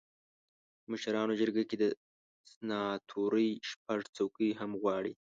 په مشرانو جرګه کې د سناتورۍ شپږ څوکۍ هم غواړي.